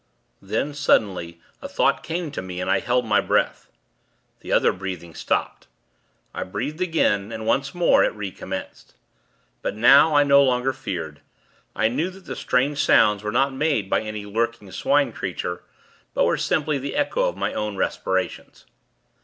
Then, suddenly, a thought came to me, and I held my breath. The other breathing stopped. I breathed again, and, once more, it re commenced. But now, I no longer feared. I knew that the strange sounds were not made by any lurking Swine creature; but were simply the echo of my own respirations.